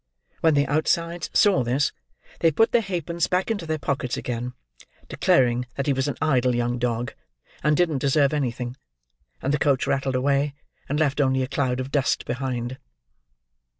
When the outsides saw this, they put their halfpence back into their pockets again, declaring that he was an idle young dog, and didn't deserve anything; and the coach rattled away and left only a cloud of dust behind.